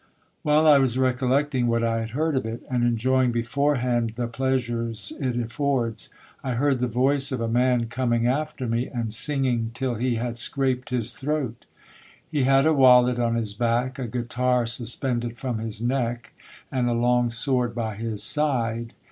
While I was recollecting what I had heard of it, and enjoying beforehand the pleasures it affords, I heard the voice of a man coming after me, and singing 58 GIL BLAS. till he had scraped his throat. He had a wallet on his back, a guitar suspended from his neck, and a long sword by his side.